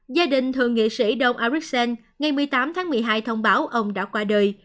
gia đình thượng nghị sĩ đông arixen ngày một mươi tám tháng một mươi hai thông báo ông đã qua đời